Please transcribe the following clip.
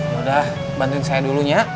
udah bantuin saya dulunya